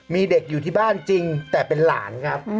มีเด็กอยู่ที่บ้านจริงแต่เป็นหลานครับ